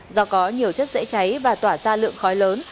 do có nhiều chất dễ cháy và tỏa ra lượng khói lớn